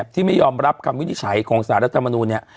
ที่ไม่ยอมรับคำวินิจฉัยของศาสตร์รัฐธรรมนุน